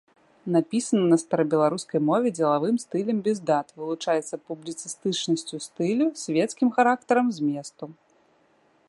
Напісана на старабеларускай мове дзелавым стылем без дат, вылучаецца публіцыстычнасцю стылю, свецкім характарам зместу.